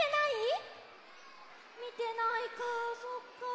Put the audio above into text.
みてないかそっか。